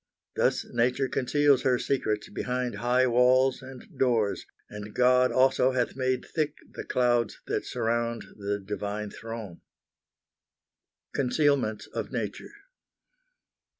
Thus nature conceals her secrets behind high walls and doors, and God also hath made thick the clouds that surround the divine throne. CONCEALMENTS OF NATURE.